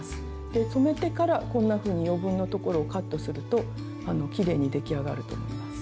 で留めてからこんなふうに余分のところをカットするときれいに出来上がると思います。